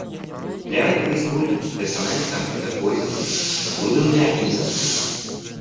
Для этого используется персональный компьютер пользователя, выданный организацией